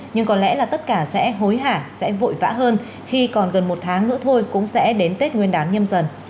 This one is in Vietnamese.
nhưng có lẽ là tất cả sẽ hối hả sẽ vội vã hơn khi còn gần một tháng nữa thôi cũng sẽ đến tết nguyên đán nhâm dần